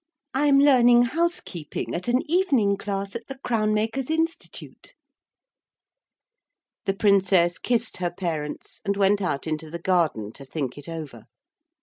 I am learning housekeeping at an evening class at the Crown maker's Institute.' The Princess kissed her parents and went out into the garden to think it over.